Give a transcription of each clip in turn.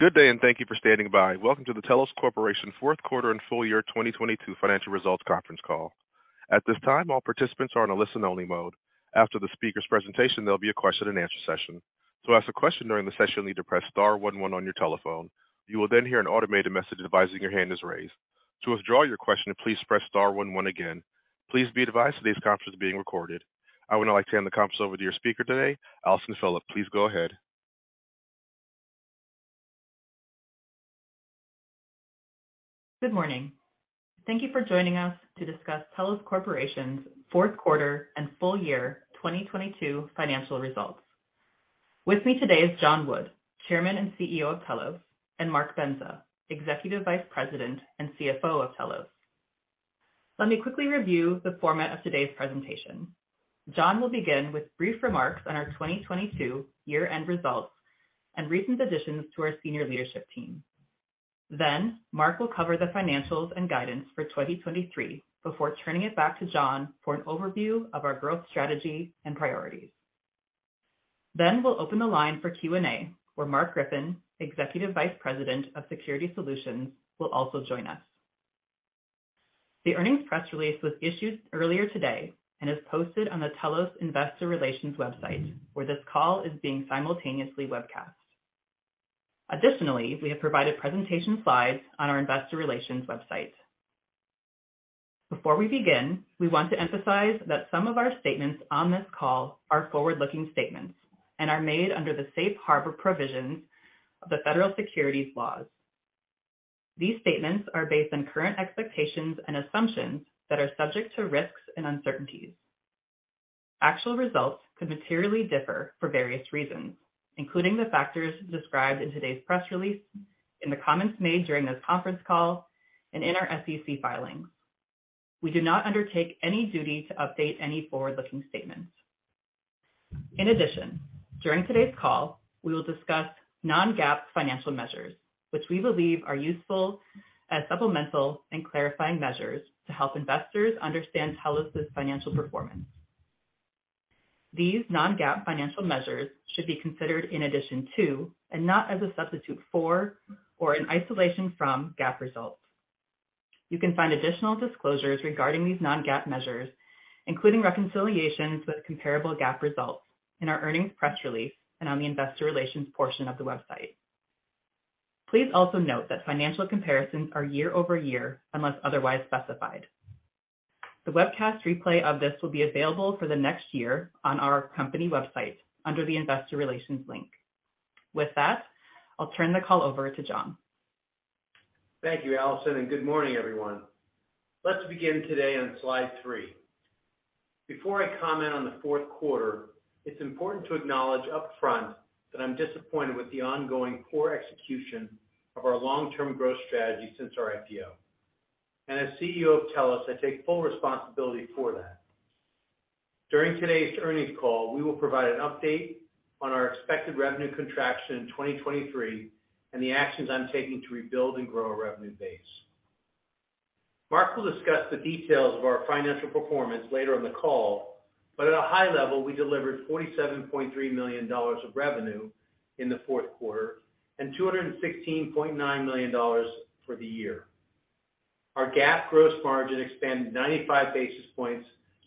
Good day, thank you for standing by. Welcome to the Telos Corporation fourth quarter and full year 2022 financial results conference call. At this time, all participants are on a listen-only mode. After the speaker's presentation, there'll be a question-and-answer session. To ask a question during the session you'll need to press star one one on your telephone. You will hear an automated message advising your hand is raised. To withdraw your question, please press star one one again. Please be advised today's conference is being recorded. I would now like to hand the conference over to your speaker today, Allison Phillipp. Please go ahead. Good morning. Thank you for joining us to discuss Telos Corporation's fourth quarter and full year 2022 financial results. With me today is John Wood, Chairman and CEO of Telos, and Mark Bendza, Executive Vice President and CFO of Telos. Let me quickly review the format of today's presentation. John will begin with brief remarks on our 2022 year-end results and recent additions to our senior leadership team. Mark will cover the financials and guidance for 2023 before turning it back to John for an overview of our growth strategy and priorities. We'll open the line for Q&A, where Mark Griffin, Executive Vice President of Security Solutions, will also join us. The earnings press release was issued earlier today and is posted on the Telos Investor Relations website, where this call is being simultaneously webcast. Additionally, we have provided presentation slides on our investor relations website. Before we begin, we want to emphasize that some of our statements on this call are forward-looking statements and are made under the safe harbor provisions of the federal securities laws. These statements are based on current expectations and assumptions that are subject to risks and uncertainties. Actual results could materially differ for various reasons, including the factors described in today's press release, in the comments made during this conference call, and in our SEC filings. We do not undertake any duty to update any forward-looking statements. In addition, during today's call, we will discuss non-GAAP financial measures, which we believe are useful as supplemental and clarifying measures to help investors understand Telos's financial performance. These non-GAAP financial measures should be considered in addition to and not as a substitute for or an isolation from GAAP results. You can find additional disclosures regarding these non-GAAP measures, including reconciliations with comparable GAAP results in our earnings press release and on the investor relations portion of the website. Please also note that financial comparisons are year-over-year unless otherwise specified. The webcast replay of this will be available for the next year on our company website under the investor relations link. With that, I'll turn the call over to John. Thank you, Allison. Good morning, everyone. Let's begin today on slide three. Before I comment on the fourth quarter, it's important to acknowledge upfront that I'm disappointed with the ongoing poor execution of our long-term growth strategy since our IPO. As CEO of Telos, I take full responsibility for that. During today's earnings call, we will provide an update on our expected revenue contraction in 2023 and the actions I'm taking to rebuild and grow our revenue base. Mark will discuss the details of our financial performance later in the call, but at a high level, we delivered $47.3 million of revenue in the fourth quarter and $216.9 million for the year. Our GAAP gross margin expanded 95 basis points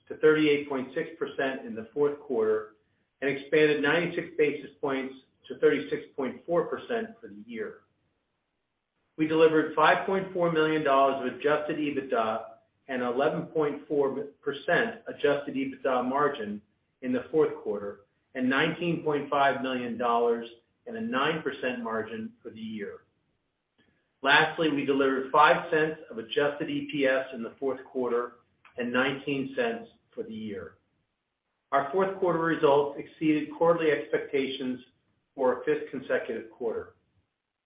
to 38.6% in the fourth quarter and expanded 96 basis points to 36.4% for the year. We delivered $5.4 million of adjusted EBITDA and 11.4% adjusted EBITDA margin in the fourth quarter and $19.5 million and a 9% margin for the year. Lastly, we delivered $0.05 of adjusted EPS in the fourth quarter and $0.19 for the year. Our fourth quarter results exceeded quarterly expectations for a fifth consecutive quarter.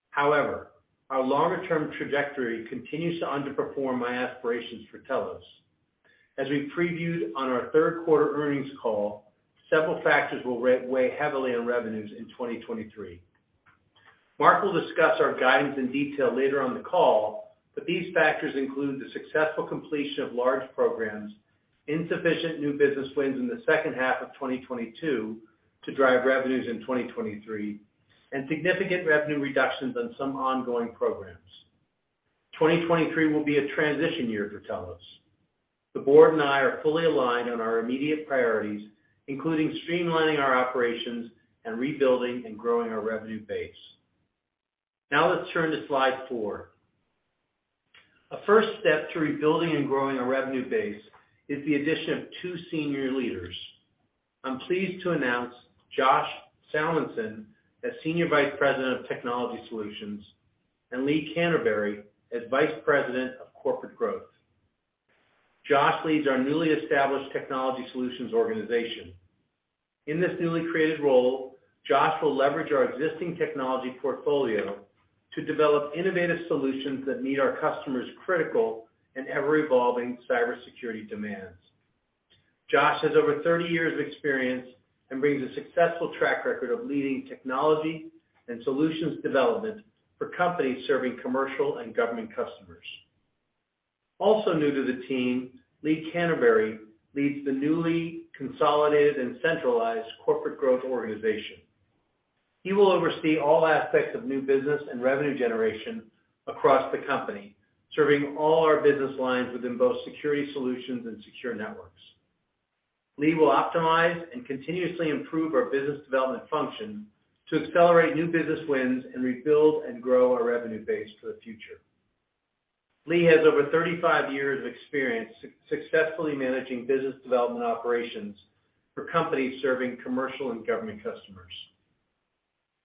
However, our longer-term trajectory continues to underperform my aspirations for Telos. As we previewed on our third quarter earnings call, several factors will weigh heavily on revenues in 2023. These factors include the successful completion of large programs, insufficient new business wins in the second half of 2022 to drive revenues in 2023, and significant revenue reductions on some ongoing programs. 2023 will be a transition year for Telos. The board and I are fully aligned on our immediate priorities, including streamlining our operations and rebuilding and growing our revenue base. Let's turn to slide four. A first step to rebuilding and growing a revenue base is the addition of two senior leaders. I'm pleased to announce Josh Salmanson as Senior Vice President of Technology Solutions and Lee Canterbury as Vice President of Corporate Growth. Josh leads our newly established Technology Solutions organization. In this newly created role, Josh will leverage our existing technology portfolio to develop innovative solutions that meet our customers' critical and ever-evolving cybersecurity demands. Josh has over 30 years of experience and brings a successful track record of leading technology and solutions development for companies serving commercial and government customers. Also new to the team, Lee Canterbury leads the newly consolidated and centralized corporate growth organization. He will oversee all aspects of new business and revenue generation across the company, serving all our business lines within both Security Solutions and Secure Networks. Lee will optimize and continuously improve our business development function to accelerate new business wins and rebuild and grow our revenue base for the future. Lee has over 35 years of experience successfully managing business development operations for companies serving commercial and government customers.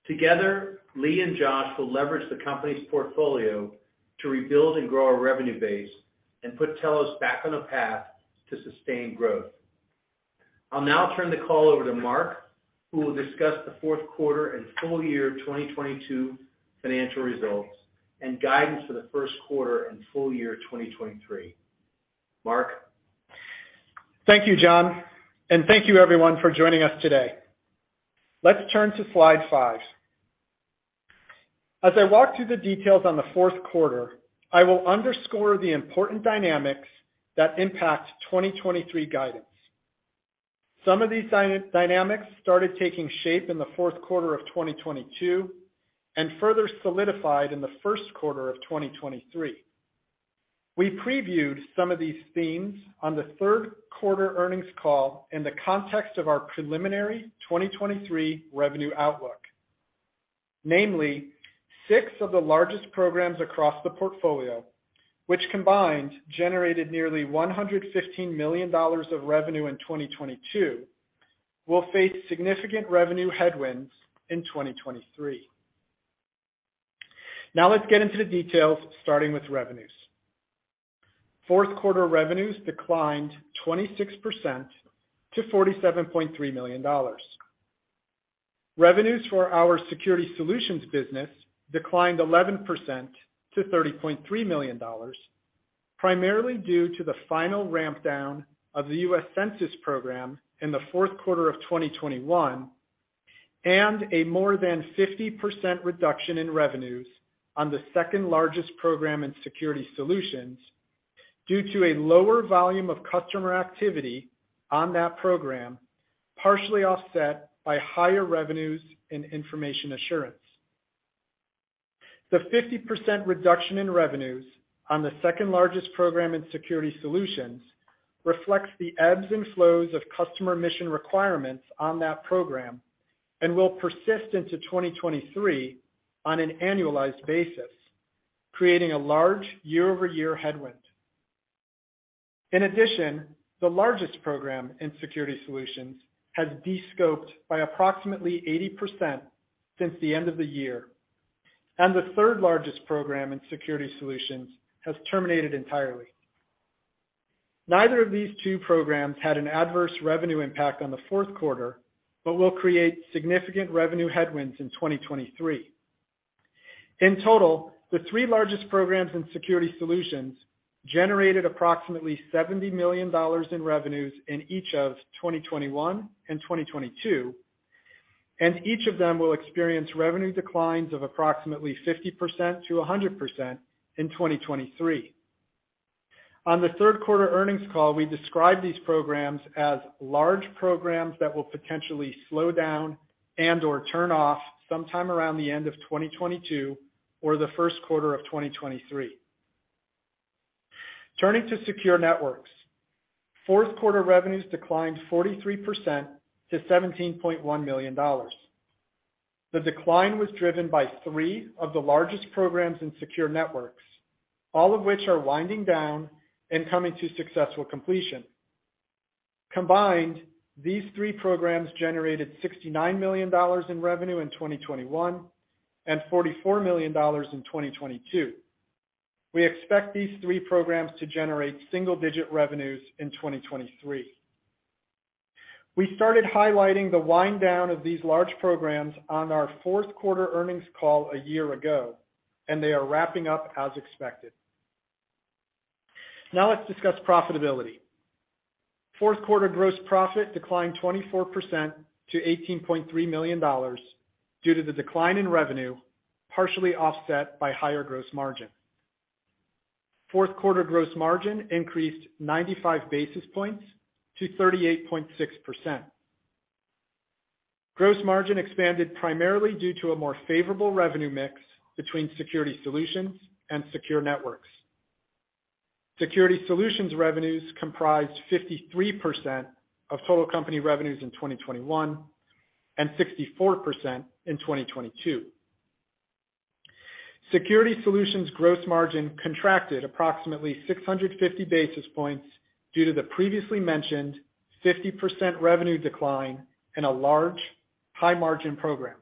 Together, Lee and Josh will leverage the company's portfolio to rebuild and grow our revenue base and put Telos back on a path to sustain growth. I'll now turn the call over to Mark, who will discuss the fourth quarter and full year 2022 financial results and guidance for the first quarter and full year 2023. Mark? Thank you, John, and thank you everyone for joining us today. Let's turn to slide five. As I walk through the details on the fourth quarter, I will underscore the important dynamics that impact 2023 guidance. Some of these dynamics started taking shape in the fourth quarter of 2022 and further solidified in the first quarter of 2023. We previewed some of these themes on the third quarter earnings call in the context of our preliminary 2023 revenue outlook. Namely, six of the largest programs across the portfolio, which combined generated nearly $115 million of revenue in 2022, will face significant revenue headwinds in 2023. Now let's get into the details, starting with revenues. Fourth quarter revenues declined 26% to $47.3 million. Revenues for our Security Solutions business declined 11% to $30.3 million, primarily due to the final ramp down of the U.S. Census program in the fourth quarter of 2021 and a more than 50% reduction in revenues on the second-largest program in Security Solutions due to a lower volume of customer activity on that program, partially offset by higher revenues in information assurance. The 50% reduction in revenues on the second-largest program in Security Solutions reflects the ebbs and flows of customer mission requirements on that program and will persist into 2023 on an annualized basis, creating a large year-over-year headwind. In addition, the largest program in Security Solutions has descoped by approximately 80% since the end of the year, and the third largest program in Security Solutions has terminated entirely. Neither of these two programs had an adverse revenue impact on the fourth quarter, but will create significant revenue headwinds in 2023. In total, the three largest programs in Security Solutions generated approximately $70 million in revenues in each of 2021 and 2022, and each of them will experience revenue declines of approximately 50%-100% in 2023. On the third quarter earnings call, we described these programs as large programs that will potentially slow down and/or turn off sometime around the end of 2022 or the first quarter of 2023. Turning to Secure Networks. Fourth quarter revenues declined 43% to $17.1 million. The decline was driven by three of the largest programs in Secure Networks, all of which are winding down and coming to successful completion. Combined, these three programs generated $69 million in revenue in 2021 and $44 million in 2022. We expect these three programs to generate single-digit revenues in 2023. We started highlighting the wind down of these large programs on our fourth quarter earnings call a year ago, and they are wrapping up as expected. Now let's discuss profitability. Fourth quarter gross profit declined 24% to $18.3 million due to the decline in revenue, partially offset by higher gross margin. Fourth quarter gross margin increased 95 basis points to 38.6%. Gross margin expanded primarily due to a more favorable revenue mix between Security Solutions and Secure Networks. Security Solutions revenues comprised 53% of total company revenues in 2021 and 64% in 2022. Security Solutions gross margin contracted approximately 650 basis points due to the previously mentioned 50% revenue decline in a large, high-margin program.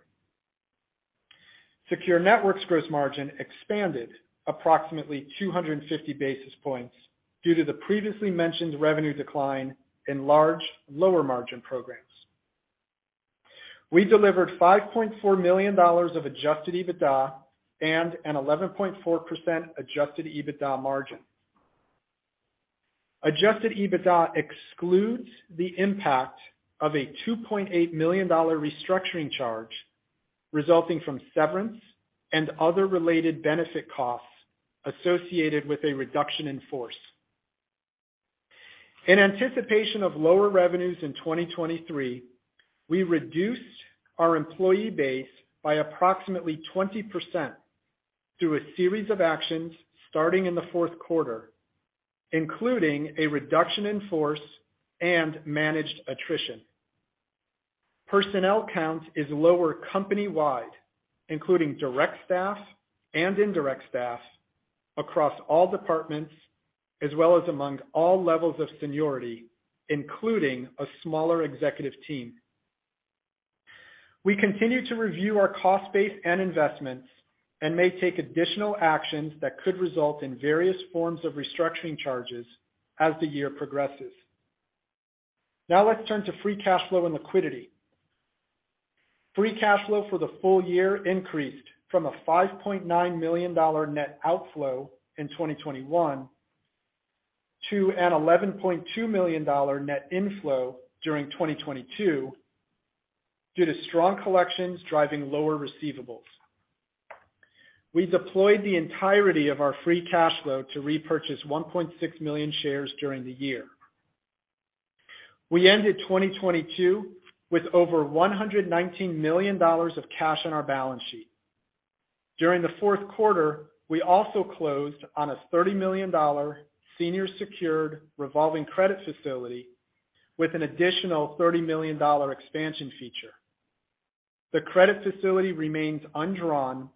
Secure Networks gross margin expanded approximately 250 basis points due to the previously mentioned revenue decline in large, lower-margin programs. We delivered $5.4 million of adjusted EBITDA and an 11.4% adjusted EBITDA margin. Adjusted EBITDA excludes the impact of a $2.8 million restructuring charge resulting from severance and other related benefit costs associated with a reduction in force. In anticipation of lower revenues in 2023, we reduced our employee base by approximately 20% through a series of actions starting in the fourth quarter, including a reduction in force and managed attrition. Personnel count is lower company-wide, including direct staff and indirect staff across all departments, as well as among all levels of seniority, including a smaller executive team. We continue to review our cost base and investments and may take additional actions that could result in various forms of restructuring charges as the year progresses. Let's turn to free cash flow and liquidity. Free cash flow for the full year increased from a $5.9 million net outflow in 2021 to an $11.2 million net inflow during 2022 due to strong collections driving lower receivables. We deployed the entirety of our free cash flow to repurchase 1.6 million shares during the year. We ended 2022 with over $119 million of cash on our balance sheet. During the fourth quarter, we also closed on a $30 million senior secured revolving credit facility with an additional $30 million expansion feature. The credit facility remains undrawn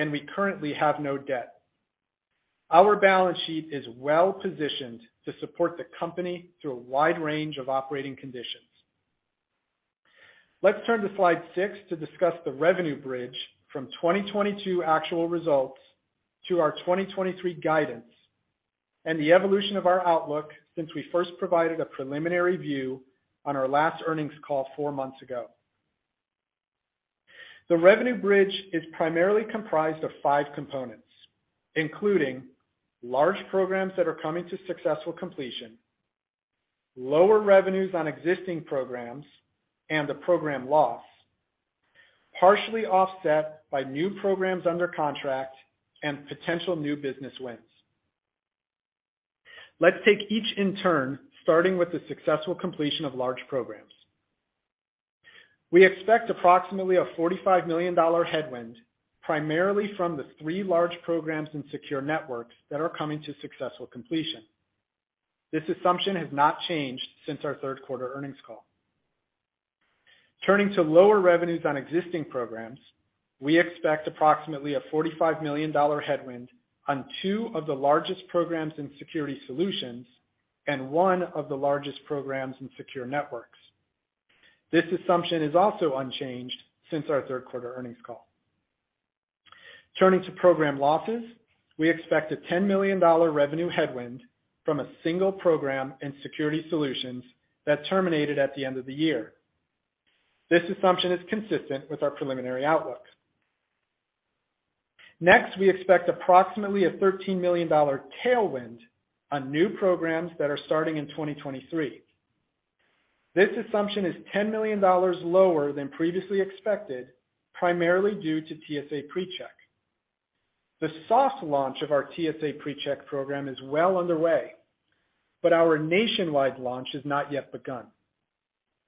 and we currently have no debt. Our balance sheet is well-positioned to support the company through a wide range of operating conditions. Let's turn to slide six to discuss the revenue bridge from 2022 actual results to our 2023 guidance and the evolution of our outlook since we first provided a preliminary view on our last earnings call four months ago. The revenue bridge is primarily comprised of five components, including large programs that are coming to successful completion, lower revenues on existing programs, and the program loss, partially offset by new programs under contract and potential new business wins. Let's take each in turn, starting with the successful completion of large programs. We expect approximately a $45 million headwind, primarily from the three large programs in Secure Networks that are coming to successful completion. This assumption has not changed since our third quarter earnings call. Turning to lower revenues on existing programs, we expect approximately a $45 million headwind on two of the largest programs in Security Solutions and one of the largest programs in Secure Networks. This assumption is also unchanged since our third quarter earnings call. Turning to program losses, we expect a $10 million revenue headwind from a single program in Security Solutions that terminated at the end of the year. This assumption is consistent with our preliminary outlooks. Next, we expect approximately a $13 million tailwind on new programs that are starting in 2023. This assumption is $10 million lower than previously expected, primarily due to TSA PreCheck. The soft launch of our TSA PreCheck program is well underway, but our nationwide launch has not yet begun,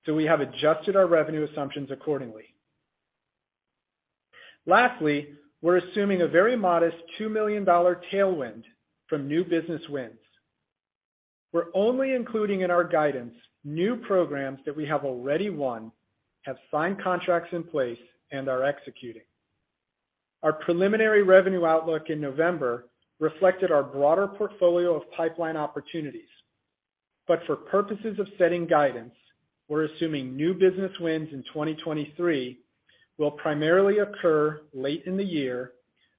so we have adjusted our revenue assumptions accordingly. Lastly, we're assuming a very modest $2 million tailwind from new business wins. We're only including in our guidance new programs that we have already won, have signed contracts in place, and are executing. Our preliminary revenue outlook in November reflected our broader portfolio of pipeline opportunities. For purposes of setting guidance, we're assuming new business wins in 2023 will primarily occur late in the year,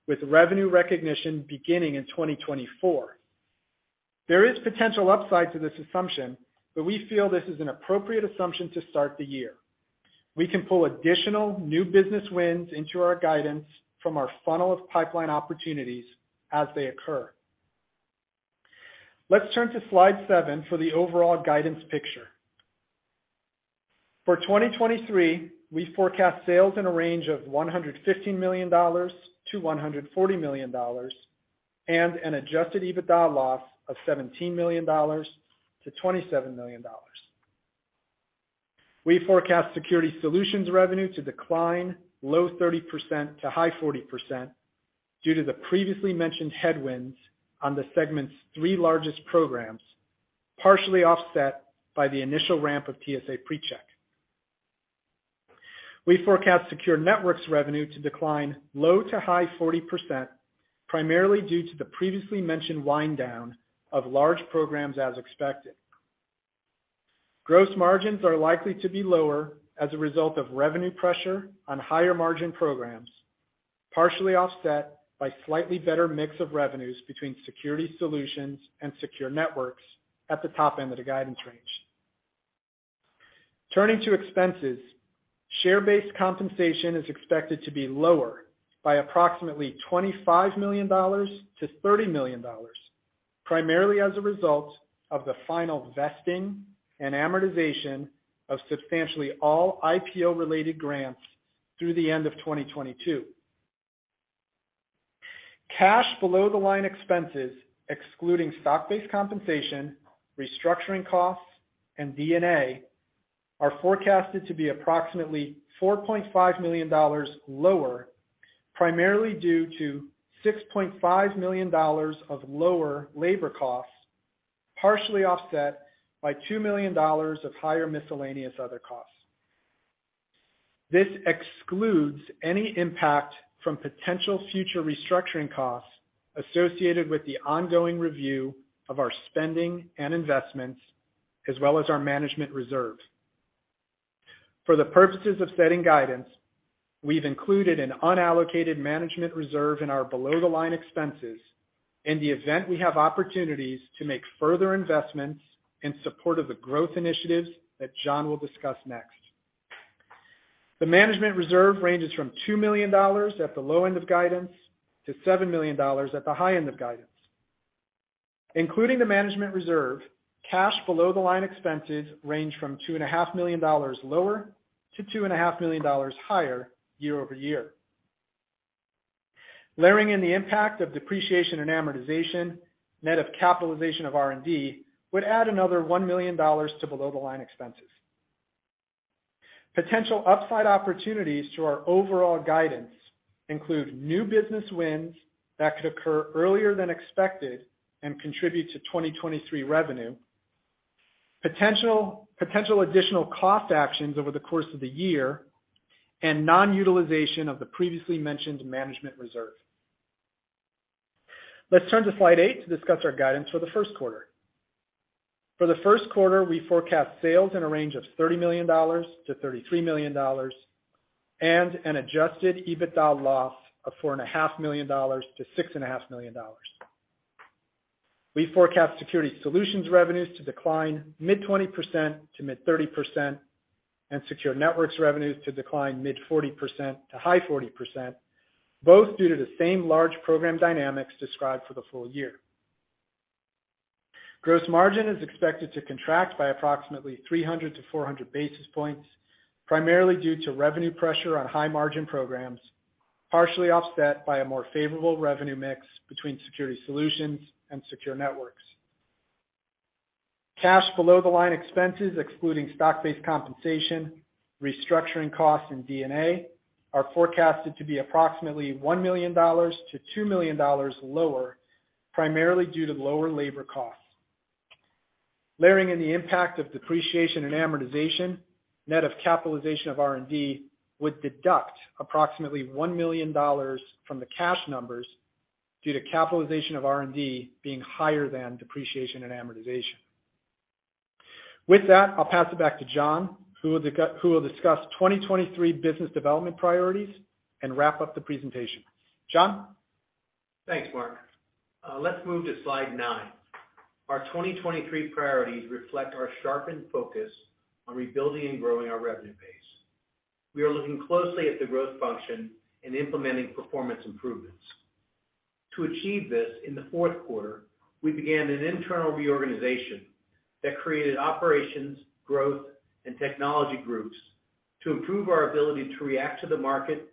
with revenue recognition beginning in 2024. There is potential upside to this assumption, but we feel this is an appropriate assumption to start the year. We can pull additional new business wins into our guidance from our funnel of pipeline opportunities as they occur. Let's turn to slide seven for the overall guidance picture. For 2023, we forecast sales in a range of $115 million-$140 million and an adjusted EBITDA loss of $17 million-$27 million. We forecast Security Solutions revenue to decline low 30%-high 40% due to the previously mentioned headwinds on the segment's three largest programs, partially offset by the initial ramp of TSA PreCheck. We forecast Secure Networks revenue to decline low to high 40%, primarily due to the previously mentioned wind down of large programs as expected. Gross margins are likely to be lower as a result of revenue pressure on higher margin programs, partially offset by slightly better mix of revenues between Security Solutions and Secure Networks at the top end of the guidance range. Turning to expenses, share-based compensation is expected to be lower by approximately $25 million-$30 million, primarily as a result of the final vesting and amortization of substantially all IPO-related grants through the end of 2022. Cash below-the-line expenses, excluding stock-based compensation, restructuring costs, and D&A, are forecasted to be approximately $4.5 million lower, primarily due to $6.5 million of lower labor costs, partially offset by $2 million of higher miscellaneous other costs. This excludes any impact from potential future restructuring costs associated with the ongoing review of our spending and investments, as well as our management reserves. For the purposes of setting guidance, we've included an unallocated management reserve in our below-the-line expenses in the event we have opportunities to make further investments in support of the growth initiatives that John will discuss next. The management reserve ranges from $2 million at the low end of guidance to $7 million at the high end of guidance. Including the management reserve, cash below-the-line expenses range from $2.5 million lower-$2.5 million higher year-over-year. Layering in the impact of depreciation and amortization, net of capitalization of R&D, would add another $1 million to below-the-line expenses. Potential upside opportunities to our overall guidance include new business wins that could occur earlier than expected and contribute to 2023 revenue, potential additional cost actions over the course of the year, and non-utilization of the previously mentioned management reserve. Let's turn to slide eight to discuss our guidance for the first quarter. For the first quarter, we forecast sales in a range of $30 million-$33 million and an adjusted EBITDA loss of $4.5 million-$6.5 Million. We forecast Security Solutions revenues to decline mid 20%-mid 30% and Secure Networks revenues to decline mid 40%-high 40%, both due to the same large program dynamics described for the full year. Gross margin is expected to contract by approximately 300-400 basis points, primarily due to revenue pressure on high-margin programs, partially offset by a more favorable revenue mix between Security Solutions and Secure Networks. Cash below-the-line expenses, excluding stock-based compensation, restructuring costs, and D&A, are forecasted to be approximately $1 million-$2 million lower, primarily due to lower labor costs. Layering in the impact of depreciation and amortization, net of capitalization of R&D, would deduct approximately $1 million from the cash numbers due to capitalization of R&D being higher than depreciation and amortization. With that, I'll pass it back to John, who will discuss 2023 business development priorities and wrap up the presentation. John? Thanks, Mark. Let's move to slide nine. Our 2023 priorities reflect our sharpened focus on rebuilding and growing our revenue base. We are looking closely at the growth function and implementing performance improvements. To achieve this, in the fourth quarter, we began an internal reorganization that created operations, growth, and technology groups to improve our ability to react to the market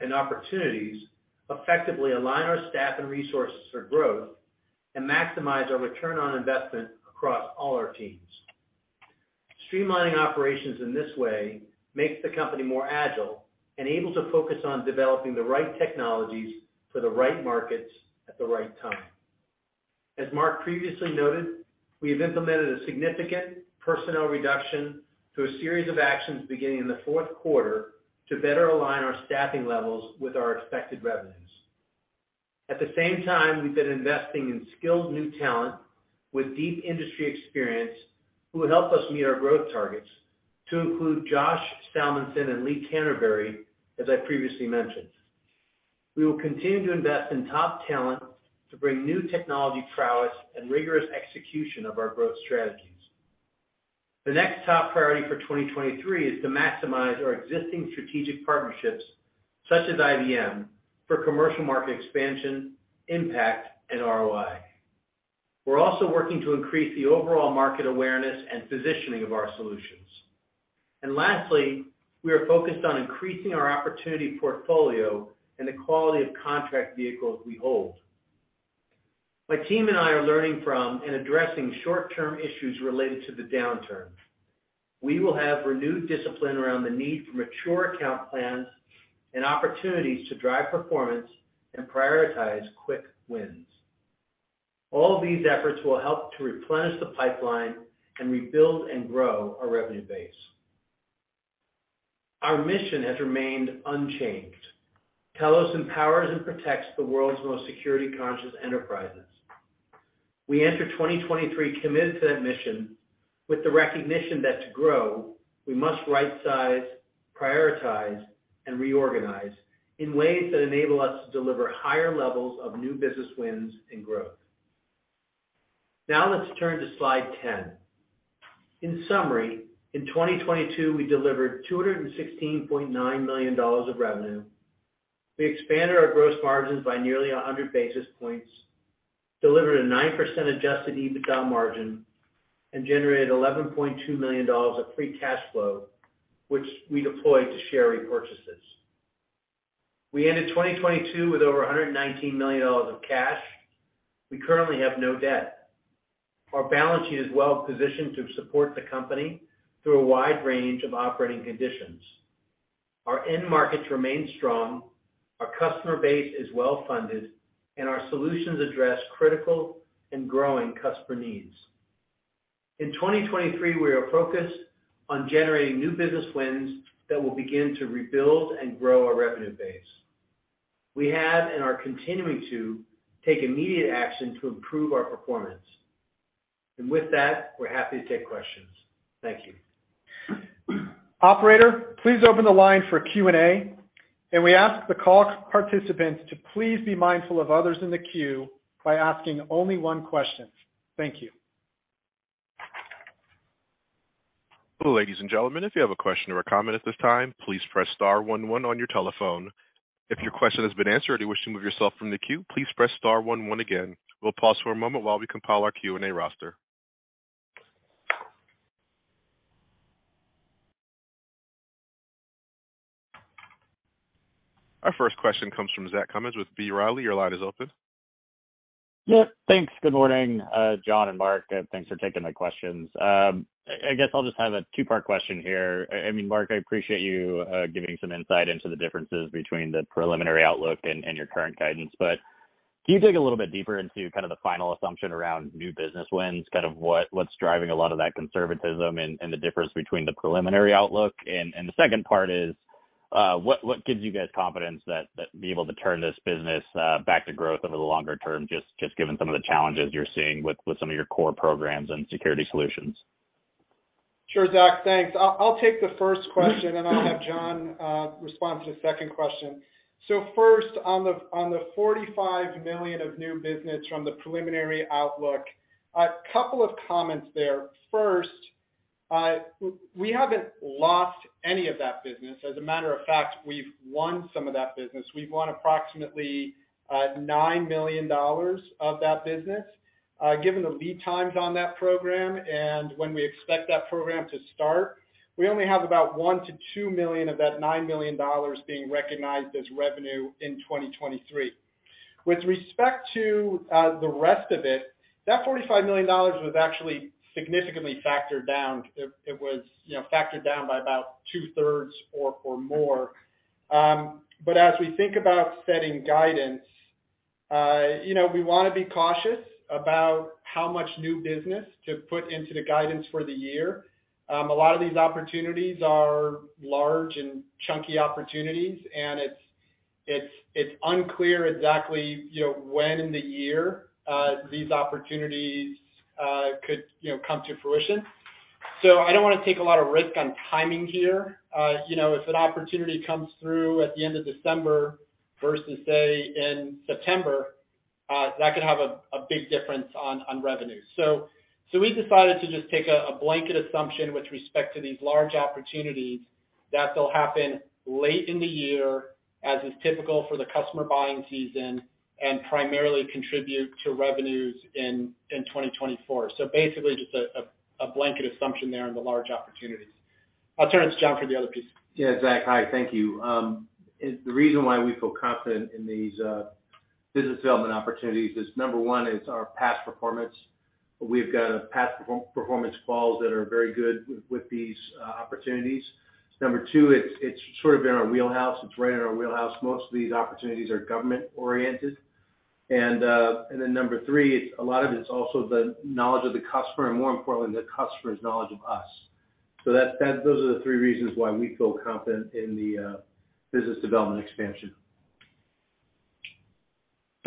and opportunities, effectively align our staff and resources for growth, and maximize our return on investment across all our teams. Streamlining operations in this way makes the company more agile and able to focus on developing the right technologies for the right markets at the right time. As Mark previously noted, we have implemented a significant personnel reduction through a series of actions beginning in the fourth quarter to better align our staffing levels with our expected revenues. At the same time, we've been investing in skilled new talent with deep industry experience who help us meet our growth targets, to include Josh Salmanson and Lee Canterbury, as I previously mentioned. We will continue to invest in top talent to bring new technology prowess and rigorous execution of our growth strategies. The next top priority for 2023 is to maximize our existing strategic partnerships, such as IBM, for commercial market expansion, impact, and ROI. We're also working to increase the overall market awareness and positioning of our solutions. Lastly, we are focused on increasing our opportunity portfolio and the quality of contract vehicles we hold. My team and I are learning from and addressing short-term issues related to the downturn. We will have renewed discipline around the need for mature account plans and opportunities to drive performance and prioritize quick wins. All these efforts will help to replenish the pipeline and rebuild and grow our revenue base. Our mission has remained unchanged. Telos empowers and protects the world's most security-conscious enterprises. We enter 2023 committed to that mission with the recognition that to grow, we must right-size, prioritize, and reorganize in ways that enable us to deliver higher levels of new business wins and growth. Let's turn to slide 10. In summary, in 2022, we delivered $216.9 million of revenue. We expanded our gross margins by nearly 100 basis points, delivered a 9% adjusted EBITDA margin, and generated $11.2 million of free cash flow, which we deployed to share repurchases. We ended 2022 with over $119 million of cash. We currently have no debt. Our balance sheet is well positioned to support the company through a wide range of operating conditions. Our end markets remain strong, our customer base is well-funded, and our solutions address critical and growing customer needs. In 2023, we are focused on generating new business wins that will begin to rebuild and grow our revenue base. We have and are continuing to take immediate action to improve our performance. With that, we're happy to take questions. Thank you. Operator, please open the line for Q&A. We ask the call participants to please be mindful of others in the queue by asking only one question. Thank you. Ladies and gentlemen, if you have a question or a comment at this time, please press star one one on your telephone. If your question has been answered or you wish to move yourself from the queue, please press star one one again. We'll pause for a moment while we compile our Q&A roster. Our first question comes from Zach Cummins with B. Riley. Your line is open. Yeah, thanks. Good morning, John and Mark. Thanks for taking my questions. I guess I'll just have a two-part question here. I mean, Mark, I appreciate you giving some insight into the differences between the preliminary outlook and your current guidance. Can you dig a little bit deeper into kind of the final assumption around new business wins, kind of what's driving a lot of that conservatism and the difference between the preliminary outlook? The second part is what gives you guys confidence that be able to turn this business back to growth over the longer term, just given some of the challenges you're seeing with some of your core programs and Security Solutions? Sure, Zach, thanks. I'll take the first question, and I'll have John respond to the second question. First, on the $45 million of new business from the preliminary outlook, a couple of comments there. First, we haven't lost any of that business. As a matter of fact, we've won some of that business. We've won approximately $9 million of that business. Given the lead times on that program and when we expect that program to start, we only have about $1 million-$2 million of that $9 million being recognized as revenue in 2023. With respect to the rest of it, that $45 million was actually significantly factored down. It was, you know, factored down by about two-thirds or more. As we think about setting guidance, you know, we wanna be cautious about how much new business to put into the guidance for the year. A lot of these opportunities are large and chunky opportunities, and it's unclear exactly, you know, when in the year, these opportunities could, you know, come to fruition. I don't wanna take a lot of risk on timing here. You know, if an opportunity comes through at the end of December versus, say, in September, that could have a big difference on revenue. We decided to just take a blanket assumption with respect to these large opportunities that they'll happen late in the year, as is typical for the customer buying season, and primarily contribute to revenues in 2024. Basically just a blanket assumption there on the large opportunities. I'll turn it to John for the other piece. Yeah, Zach. Hi, thank you. The reason why we feel confident in these business development opportunities is, number one, it's our past performance. We've got past performance calls that are very good with these opportunities. Number two, it's sort of in our wheelhouse. It's right in our wheelhouse. Most of these opportunities are government-oriented. Number three, a lot of it's also the knowledge of the customer, and more importantly, the customer's knowledge of us. Those are the three reasons why we feel confident in the business development expansion.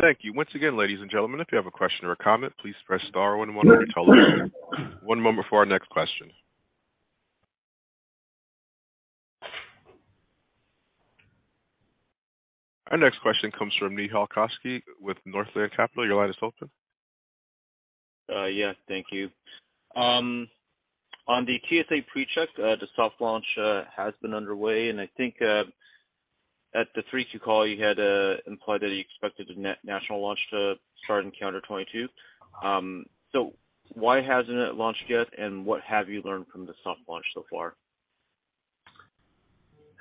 Thank you. Once again, ladies and gentlemen, if you have a question or a comment, please press star one one on your telephone. One moment for our next question. Our next question comes from Nehal Chokshi with Northland Capital Markets. Your line is open. Yeah, thank you. On the TSA PreCheck, the soft launch has been underway, and I think at the 3Q call, you had implied that you expected the national launch to start in calendar 2022. Why hasn't it launched yet, and what have you learned from the soft launch so far?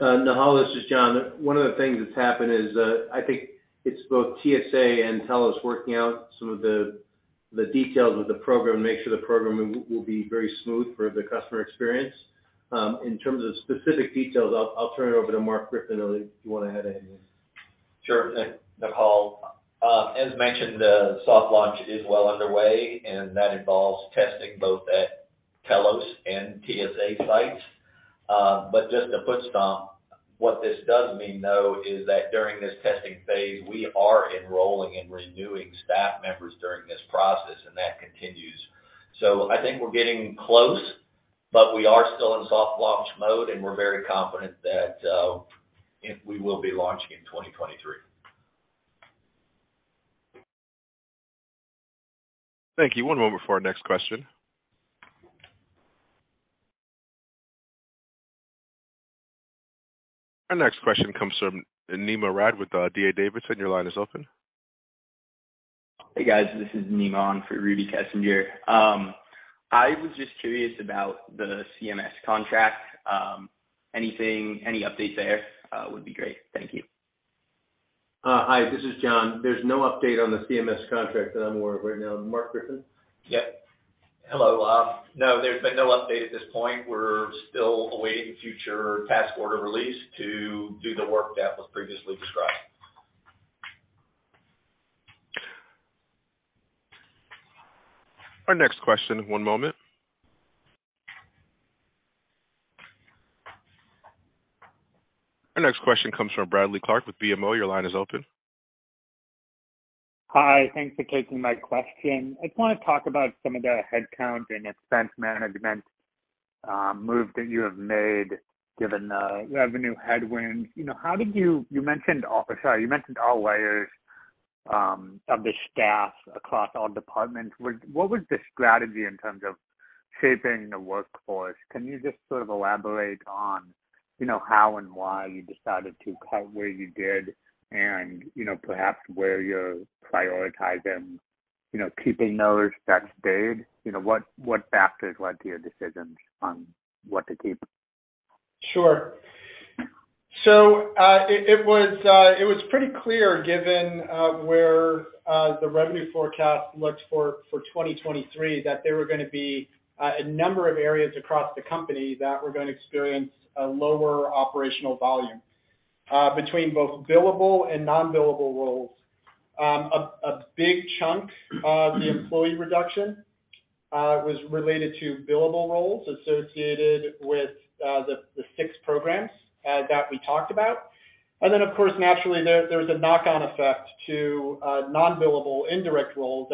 Nehal, this is John. One of the things that's happened is I think it's both TSA and Telos working out some of the details of the program, make sure the program will be very smooth for the customer experience. In terms of specific details, I'll turn it over to Mark Bendza, unless you wanna add anything. Sure, Nehal. As mentioned, the soft launch is well underway, that involves testing both at Telos and TSA sites. Just to put a stomp, what this does mean, though, is that during this testing phase, we are enrolling and renewing staff members during this process, and that continues. I think we're getting close, but we are still in soft launch mode, and we're very confident that we will be launching in 2023. Thank you. One moment for our next question. Our next question comes from Nima Rad with D.A. Davidson. Your line is open. Hey, guys. This is Nima on for Rudy Kessinger. I was just curious about the CMS contract. Anything, any update there would be great. Thank you. Hi, this is John. There's no update on the CMS contract that I'm aware of right now. Mark Bendza? Yep. Hello. No, there's been no update at this point. We're still awaiting future task order release to do the work that was previously described. Our next question in one moment. Our next question comes from Bradley Clark with BMO. Your line is open. Hi. Thanks for taking my question. I just wanna talk about some of the headcount and expense management move that you have made given the revenue headwind. You know, you mentioned all layers of the staff across all departments. What was the strategy in terms of shaping the workforce? Can you just sort of elaborate on, you know, how and why you decided to cut where you did and, you know, perhaps where you're prioritizing, you know, keeping those that stayed? You know, what factors led to your decisions on what to keep? Sure. It was pretty clear given where the revenue forecast looked for 2023, that there were gonna be a number of areas across the company that were gonna experience a lower operational volume between both billable and non-billable roles. A big chunk of the employee reduction was related to billable roles associated with the six programs that we talked about. Of course naturally there was a knock-on effect to non-billable indirect roles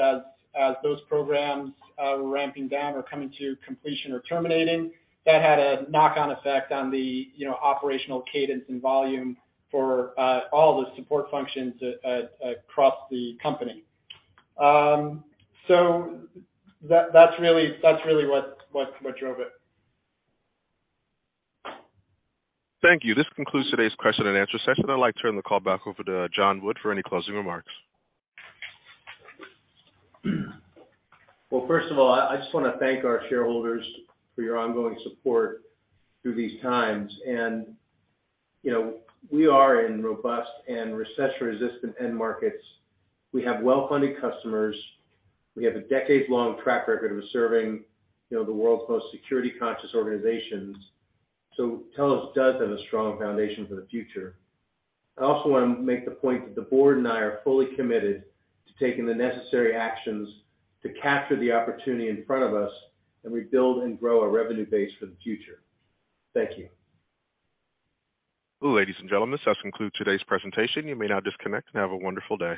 as those programs were ramping down or coming to completion or terminating. That had a knock-on effect on the, you know, operational cadence and volume for all the support functions across the company. That's really what drove it. Thank you. This concludes today's question and answer session. I'd like to turn the call back over to John Wood for any closing remarks. Well, first of all, I just wanna thank our shareholders for your ongoing support through these times. You know, we are in robust and recession-resistant end markets. We have well-funded customers. We have a decades-long track record of serving, you know, the world's most security conscious organizations. Telos does have a strong foundation for the future. I also wanna make the point that the board and I are fully committed to taking the necessary actions to capture the opportunity in front of us and rebuild and grow our revenue base for the future. Thank you. Ladies and gentlemen, this does conclude today's presentation. You may now disconnect and have a wonderful day.